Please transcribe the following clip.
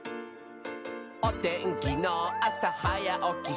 「おてんきのあさはやおきしてね」